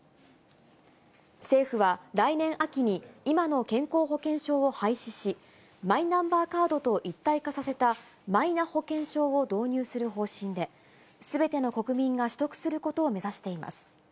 政府は来年秋に、今の健康保険証を廃止し、マイナンバーカードと一体化させたマイナ保険証を導入する方針で、すべての国民が取得することを目指しています。